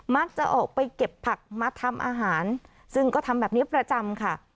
จะออกไปเก็บผักมาทำอาหารซึ่งก็ทำแบบนี้ประจำค่ะ